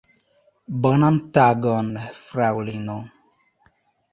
Bonan tagon, fraŭlino!